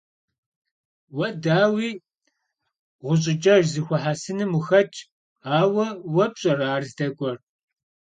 Vue, daui, ğuş'ıç'ej zexuehesınım vuxetş; aue vue pş'ere ar zdek'uer?